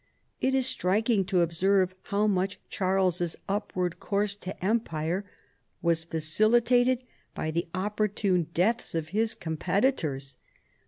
It is striking to observe how much Charles's upward course to empire was facilitated by the op portune deaths of his competitors.